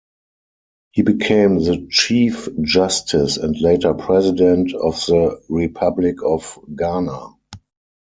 He became the Chief Justice and later President of the Republic of Ghana.